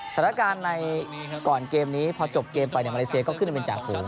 สถานการณ์ในก่อนเกมนี้พอจบเกมไปมาเลเซียก็ขึ้นเป็นจ่าฝูง